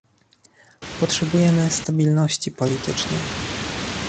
potrzebujemy stabilności politycznej